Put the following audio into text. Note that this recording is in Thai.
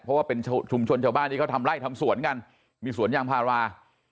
เพราะว่าเป็นชุมชนชาวบ้านที่เขาทำไล่ทำสวนกันมีสวนยางพารา